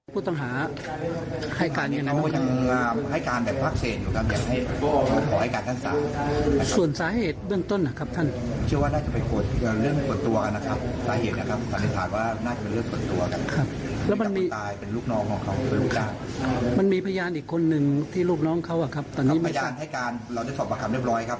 เมื่อโรคน้องน้องเป็นมรึะครับตอนนี้เราก็พยายามให้การเราจะสอบสรรพคำเรียบร้อยครับ